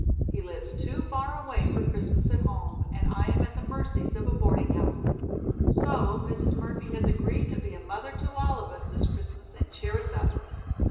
He lives too far away for Christmas at home, and I am at the mercies of a boarding house. So, Mrs. Murphy has agreed to be a mother to all of us this Christmas and cheer us up."